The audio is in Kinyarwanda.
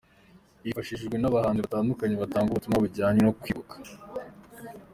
Hifashishijwe n’abahanzi batandukanye batanga ubutumwa bujyanye no kwibuka.